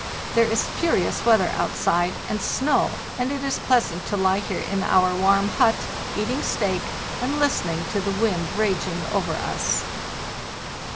There is furious weather outside, and snow, and it is pleasant to lie here in our warm hut, eating steak, and listening to the wind raging over us.